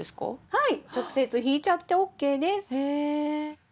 はい。